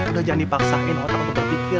udah jangan dipaksain otakmu terpikir